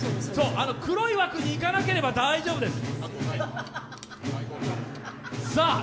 黒い枠の中にいかなければ大丈夫です。